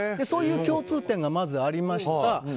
そういう共通点がまずありました。